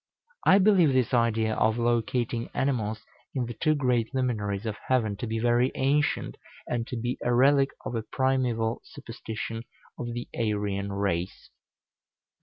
I believe this idea of locating animals in the two great luminaries of heaven to be very ancient, and to be a relic of a primeval superstition of the Aryan race.